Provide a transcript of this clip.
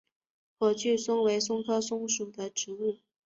火炬松为松科松属的植物。